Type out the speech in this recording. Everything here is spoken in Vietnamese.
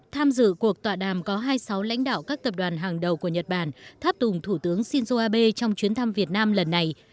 tham dự cuộc tọa đàm có hai mươi sáu lãnh đạo các tập đoàn hàng đầu của nhật bản tháp tùng thủ tướng shinzo abe trong chuyến thăm việt nam lần này